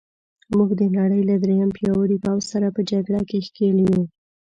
موږ د نړۍ له درېیم پیاوړي پوځ سره په جګړه کې ښکېل یو.